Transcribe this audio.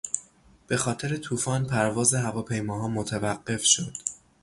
به خاطر توفان پرواز هواپیماها متوقف شد.